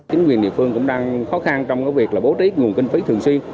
chính quyền địa phương cũng đang khó khăn trong việc bố trí nguồn kinh phí thường xuyên